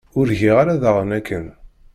Ur giɣ ara daɣen akken.